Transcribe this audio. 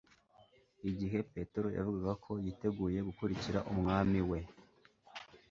Igihe Petero yavugaga ko yiteguye gukurikira Umwami we,